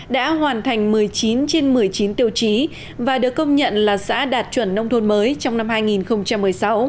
đã hoàn thành một mươi chín trên một mươi chín tiêu chí và được công nhận là xã đạt chuẩn nông thôn mới trong năm hai nghìn một mươi sáu